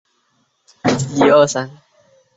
随时坚强认真的等待